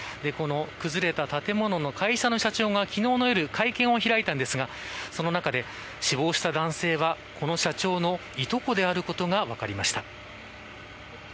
崩れた建物の会社の社長が昨日の夜、会見を開いたんですがその中で、死亡した男性はこの社長のいとこであることが分かりました。